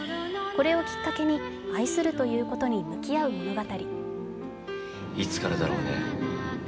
これをきっかけに、愛するということに向き合う物語。